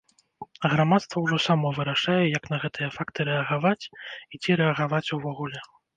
А грамадства ўжо само вырашае, як на гэтыя факты рэагаваць, і ці рэагаваць увогуле.